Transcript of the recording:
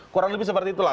kurang lebih seperti itulah